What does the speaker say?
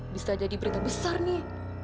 bisa jadi berita besar nih